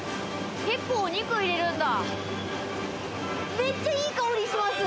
結構お肉入れるんだ。